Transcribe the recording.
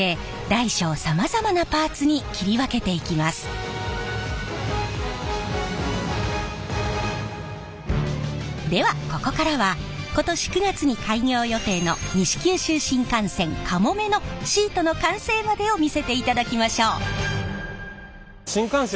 これを列車のではここからは今年９月に開業予定の西九州新幹線「かもめ」のシートの完成までを見せていただきましょう。